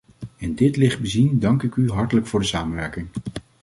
In dit licht bezien dank ik u hartelijk voor de samenwerking.